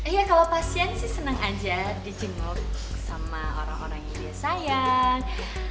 iya kalau pasien sih senang aja di jenguk sama orang orang yang dia sayang